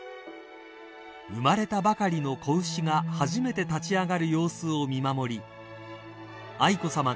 ［生まれたばかりの子牛が初めて立ち上がる様子を見守り］